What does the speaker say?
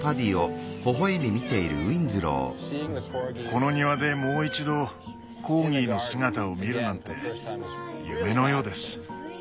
この庭でもう一度コーギーの姿を見るなんて夢のようです。